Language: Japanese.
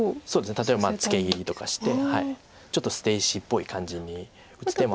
例えばツケ切りとかしてちょっと捨て石っぽい感じに打つ手も。